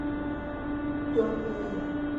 ڇو ٿيو